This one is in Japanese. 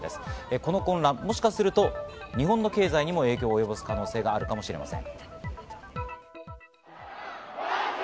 この混乱、もしかすると日本の経済にも影響を及ぼす可能性があるかもしれません。